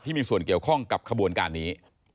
มีส่วนเกี่ยวข้องกับขบวนการนี้